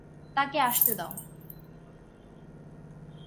তাকে আসতে দাও।